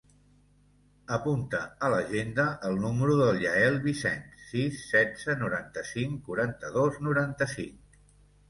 Apunta a l'agenda el número del Yael Vicens: sis, setze, noranta-cinc, quaranta-dos, noranta-cinc.